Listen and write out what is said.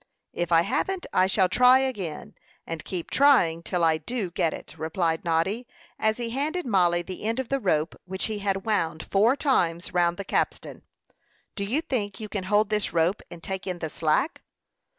"If I haven't I shall try again, and keep trying till I do get it," replied Noddy, as he handed Mollie the end of the rope which he had wound four times round the capstan. "Do you think you can hold this rope and take in the slack?"